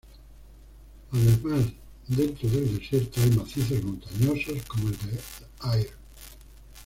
Además dentro del desierto hay macizos montañosos como el del Air.